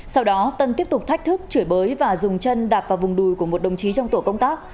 sau đó tân tiếp tục thách thức chửi bới và dùng chân đạp vào vùng đùi của một đồng chí trong tổ công tác